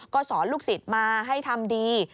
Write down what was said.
ก็สอนลูกศิษย์มาให้ทำดี